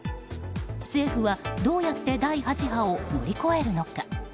政府はどうやって第８波を乗り越えるのか。